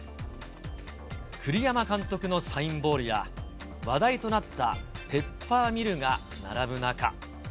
栗山監督のサインボールや、話題となったペッパーミルが並ぶ中。